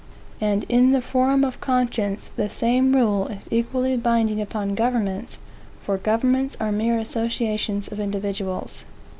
And in the forum of conscience the same rule is equally binding upon governments, for governments are mere associations of individuals.